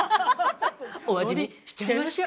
お味見しちゃいましょう。